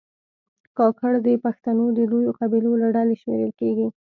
کاکړ د پښتنو د لویو قبیلو له ډلې شمېرل کېږي.